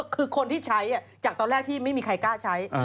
คือคนที่ใช้จากตอนแรกที่ไม่มีใครกล้าใช้